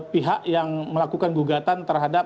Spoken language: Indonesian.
pihak yang melakukan gugatan terhadap